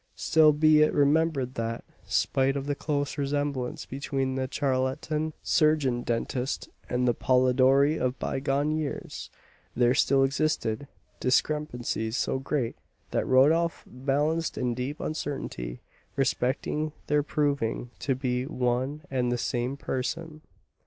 Still, be it remembered that, spite of the close resemblance between the charlatan surgeon dentist and the Polidori of bygone years, there still existed discrepancies so great that Rodolph balanced, in deep uncertainty, respecting their proving to be one and the same person.